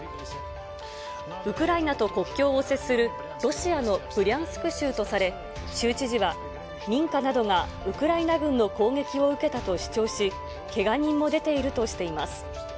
ウクライナと国境を接するロシアのブリャンスク州とされ、州知事は民家などがウクライナ軍の攻撃を受けたと主張し、けが人も出ているとしています。